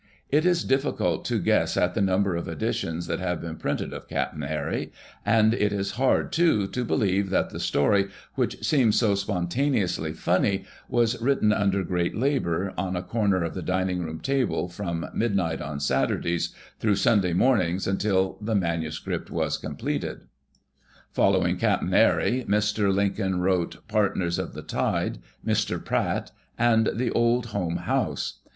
It is difficult to guess at the number of editions that have been printed of "Cap'n Eri" and it is hard, too, to believe that the story which seems so spontaneously funny was written under great labor on a corner of the dining room table from mid night on Saturdays through Sunday mornings until the manuscript was completed. Following "Cap'n Eri" Mr. Lincoln wrote "Partners of the T i d e," "M r. Pratt" and "The Old Home House."